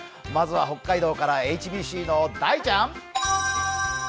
まずは北海道からＨＢＣの大ちゃん！